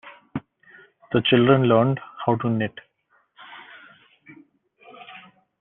The children learned how to knit.